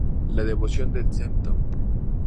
La devoción del Stmo.